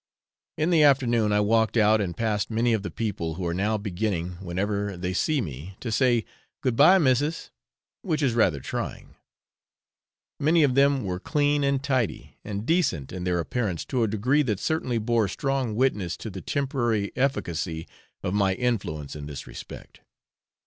In the afternoon I walked out, and passed many of the people, who are now beginning, whenever they see me, to say, 'Good bye, missis!' which is rather trying. Many of them were clean and tidy, and decent in their appearance to a degree that certainly bore strong witness to the temporary efficacy of my influence in this respect.